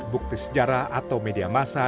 bukti sejarah atau media massa